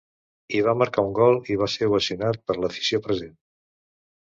Hi va marcar un gol i va ser ovacionat per l'afició present.